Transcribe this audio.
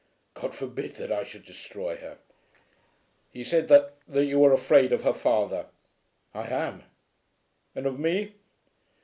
"God forbid that I should destroy her." "He said that, that you were afraid of her father." "I am." "And of me."